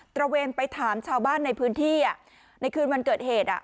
ระเวนไปถามชาวบ้านในพื้นที่ในคืนวันเกิดเหตุ